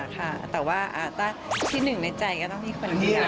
ค่ะแต่ว่าที่หนึ่งในใจก็ต้องมีคนเลือก